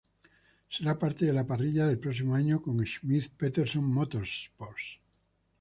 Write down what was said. Será parte de la parrilla del próximo año con Schmidt Peterson Motorsports.